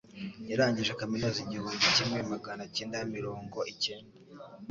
Yarangije kaminuza igihumbi kimwe maganakenda mirngo ikenda